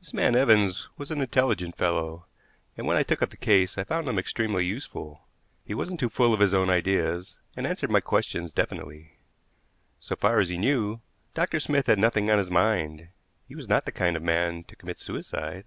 This man Evans was an intelligent fellow, and when I took up the case I found him extremely useful. He wasn't too full of his own ideas, and answered my questions definitely. So far as he knew, Dr. Smith had nothing on his mind. He was not the kind of man to commit suicide.